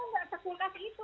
gak sepuluh kasih itu